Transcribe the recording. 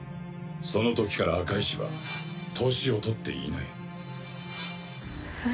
その時から赤石は年を取っていない。